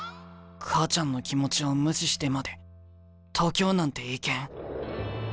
母ちゃんの気持ちを無視してまで東京なんて行けん。